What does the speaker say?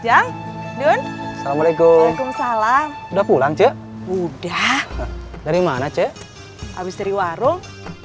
yang dunia assalamualaikum salam udah pulang c udah dari mana c habis dari warung